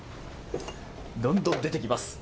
どんどん出てきます。